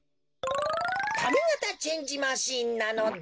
かみがたチェンジマシンなのだ。